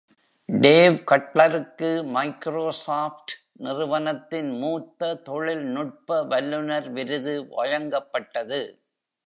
Dave கட்லருக்கு Microsoft நிறுவனத்தின் மூத்த தொழில்நுட்ப வல்லுநர் விருது வழங்கப்பட்டது.